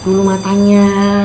loh aku mau tanya